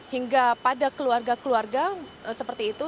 hingga pada keluarga keluarga seperti itu